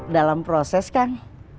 dalam proses kang